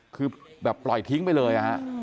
คือแบบปล่อยทิ้งไปเลย